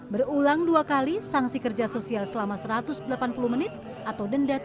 berulang dua kali sanksi kerja sosial selama satu ratus delapan puluh menit atau denda